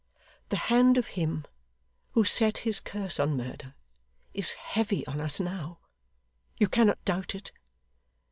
The hand of Him who set His curse on murder, is heavy on us now. You cannot doubt it.